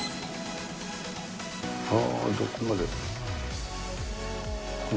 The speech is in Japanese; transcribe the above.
あー、どこまで。